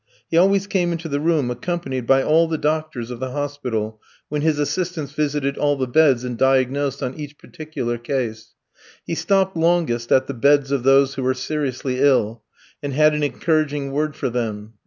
He always came into the room accompanied by all the doctors of the hospital, when his assistants visited all the beds and diagnosed on each particular case; he stopped longest at the beds of those who were seriously ill, and had an encouraging word for them.